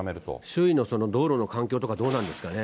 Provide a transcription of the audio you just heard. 周囲の道路の環境とかどうなんですかね。